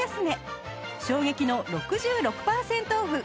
衝撃の６６パーセントオフ